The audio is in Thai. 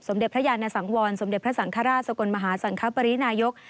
เด็จพระยานสังวรสมเด็จพระสังฆราชสกลมหาสังคปรินายก